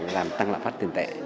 làm tăng lạm phát tiền tệ